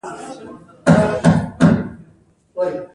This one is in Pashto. په دې کيسه کې تر ډېره له اصولو کار اخيستل شوی دی.